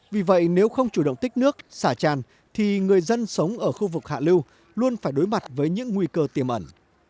vì vậy nếu không chủ động tích nước xả tràn thì người dân sống ở khu vực hạ lưu luôn phải đối mặt với những nguy cơ tiềm ẩn